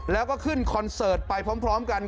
แล้วก็ขึ้นคอนเสิร์ตไปพร้อมกัน